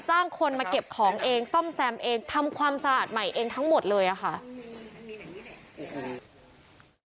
จ้างคนมาเก็บของเองซ่อมแซมเองทำความสะอาดใหม่เองทั้งหมดเลยอะค่ะ